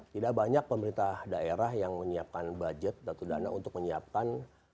tidak banyak pemerintah daerah yang menyiapkan budget atau dana untuk menyiapkan